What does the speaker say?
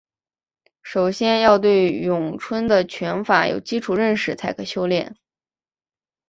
首先要对咏春的拳法有基础认识才可修练。